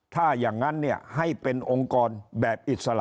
ถ้าอย่างนั้นให้เป็นองค์กรแบบอิสระ